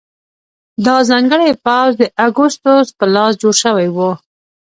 دا ځانګړی پوځ د اګوستوس په لاس جوړ شوی و